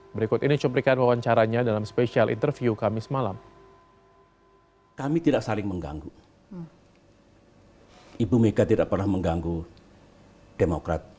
berikut ini cumplikan wawancaranya dalam spesial interview kami semalam